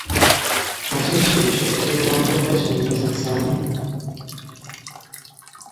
Nació en Zúrich, pero pasó gran parte de su niñez en St.